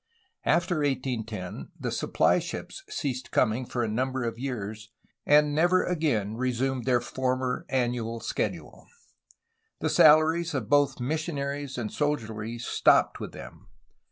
After 1810 the supply ships ceased coming for a number of years, and never again resumed their former annual schedule. The salaries of both missionaries and soldiery stopped with them.